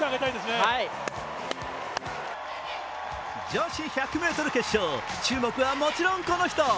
女子１００ｍ決勝、注目はもちろんこの人。